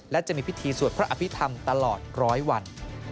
และจะมีพิธีสวดพระอภิษฐรรมตลอดร้อยวัน